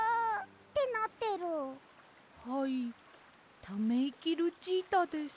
はいためいきルチータです。